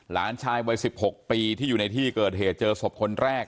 หลานชายปี๑๖ที่อยู่ในที่เกิดเหตุเจอสมควรคนแรก